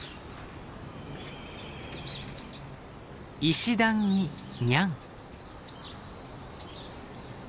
石段にニャン。